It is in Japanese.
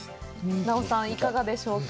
奈緒さん、いかがでしょうか。